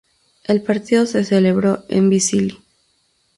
El partido se celebró en Tbilisi.